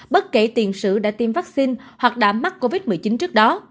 bất kể tiền sử đã tiêm vaccine hoặc đã mắc covid một mươi chín trước đó